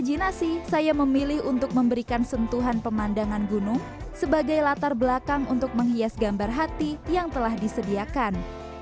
imajinasi saya memilih untuk memberikan sentuhan pemandangan gunung sebagai latar belakang untuk menghias gambar hati yang telah disediakan